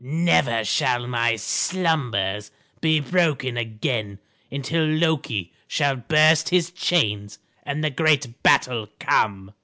"Never shall my slumbers be broken again until Loki shall burst his chains and the great battle come."